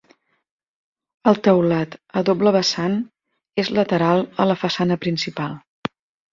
El teulat, a doble vessant, és lateral a la façana principal.